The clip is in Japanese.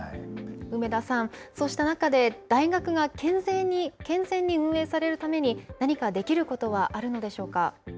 梅田さん、そうした中で大学が健全に運営されるために、何かできることはあるのでしょうか。